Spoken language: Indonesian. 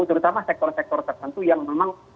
terutama sektor sektor tertentu yang memang